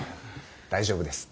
大丈夫です。